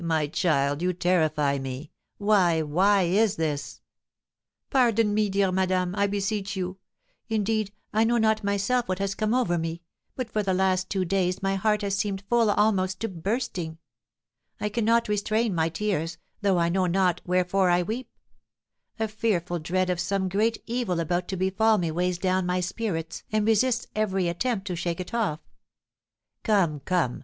my child, you terrify me; why, why is this?" "Pardon me, dear madame, I beseech you! Indeed, I know not myself what has come over me, but for the last two days my heart has seemed full almost to bursting. I cannot restrain my tears, though I know not wherefore I weep. A fearful dread of some great evil about to befall me weighs down my spirits and resists every attempt to shake it off." "Come! come!